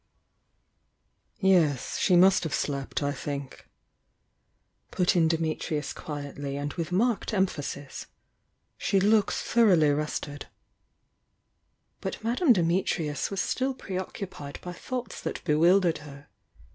THE YOUNG DIANA 185 I "Yes, she must have slept, I think," put in Dimit rius quietly and with marked emphasis. "She looks thoroughly rested." But Madame Dimitrius was still preoccupied by thoughts that bewildered her.